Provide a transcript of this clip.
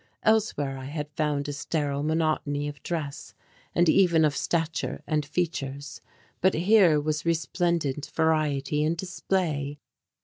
Elsewhere I had found a sterile monotony of dress and even of stature and features. But here was resplendent variety and display.